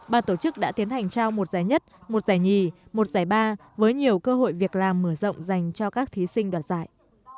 ban tổ chức đã tiến hành trao một giải nhất một giải nhì một giải ba với nhiều cơ hội việc làm mở rộng dành cho các thí sinh đoạt giải